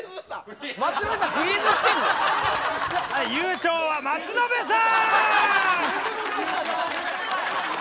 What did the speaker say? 優勝は松延さん！